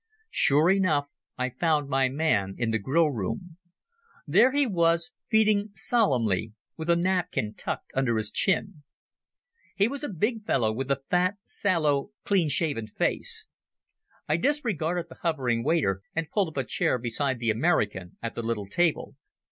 Sure enough I found my man in the Grill Room. There he was, feeding solemnly, with a napkin tucked under his chin. He was a big fellow with a fat, sallow, clean shaven face. I disregarded the hovering waiter and pulled up a chair beside the American at the little table.